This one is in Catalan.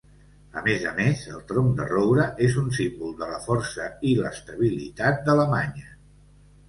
A més a més, el tronc de roure és un símbol de la força i l'estabilitat d'Alemanya.